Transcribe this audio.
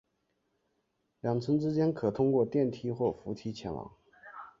两层之间可通过电梯或扶梯前往。